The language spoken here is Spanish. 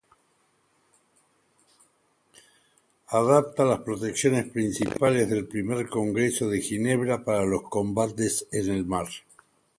Adapta las protecciones principales del Primer Convenio de Ginebra para combates en el mar.